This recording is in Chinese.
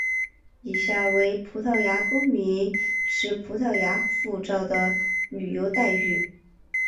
以下为葡萄牙公民持葡萄牙护照的旅游待遇。